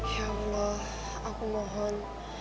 ya allah aku mohon